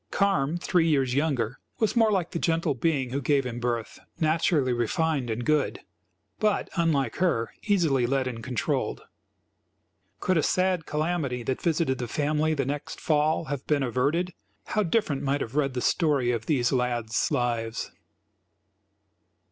Carm, three years younger, was more like the gentle being who gave him birth; naturally refined and good, but, unlike her, easily led and controlled. Could a sad calamity that visited the family the next fall have been averted, how different might have read the story of these lads' lives.